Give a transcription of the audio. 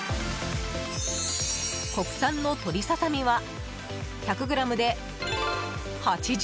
国産の鶏ささ身は１００ｇで８３円。